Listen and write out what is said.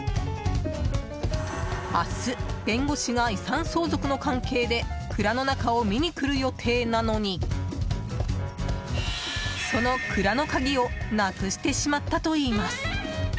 明日、弁護士が遺産相続の関係で蔵の中を見に来る予定なのにその蔵の鍵をなくしてしまったといいます。